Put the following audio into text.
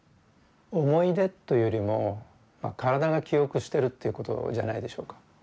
思い出というよりも体が記憶してるということじゃないでしょうか。